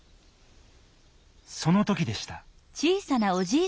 そのときでした。